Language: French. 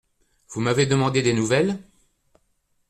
Vous m’avez demandé des nouvelles…